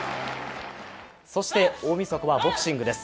そして大みそかはボクシングです。